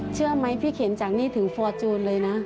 เชื่อไหมพี่เข็นจากนี่ถึงฟอร์จูนเลยนะ